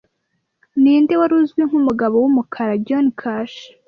Ninde wari uzwi nkumugabo wumukara Johnny Cash